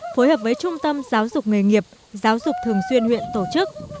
phối hợp với trung tâm giáo dục nghề nghiệp giáo dục thường xuyên huyện tổ chức